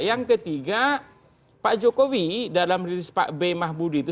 yang ketiga pak jokowi dalam rilis pak b mahbudi itu